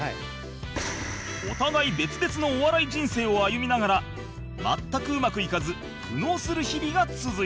お互い別々のお笑い人生を歩みながら全くうまくいかず苦悩する日々が続いた